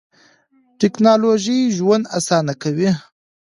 ټیکنالوژي ژوند اسانه کوي.